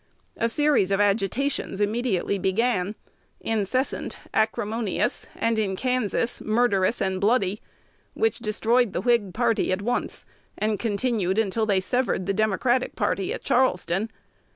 A series of agitations immediately began, incessant, acrimonious, and in Kansas murderous and bloody, which destroyed the Whig party at once, and continued until they severed the Democratic party at Charleston.